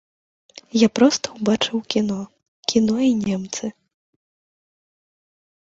Я проста ўбачыў кіно, кіно і немцы!